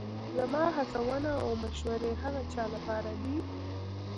زما هڅونه او مشورې هغه چا لپاره دي